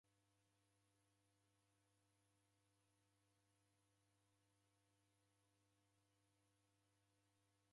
Sigha vilunganya.